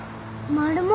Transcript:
マルモ。